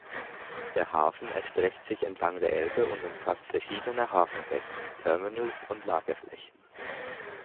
Der Hafen erstreckt sich entlang der Elbe und umfasst verschiedene Hafenbecken, Terminals und Lagerflächen.